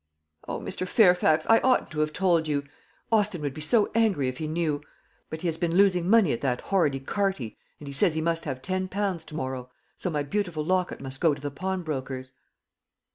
"O, Mr. Fairfax, I oughtn't to have told you Austin would be so angry if he knew but he has been losing money at that horrid ecarty, and he says he must have ten pounds to morrow; so my beautiful locket must go to the pawnbroker's."